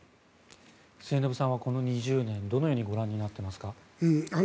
末延さんは、この２０年どのようにご覧になってますか。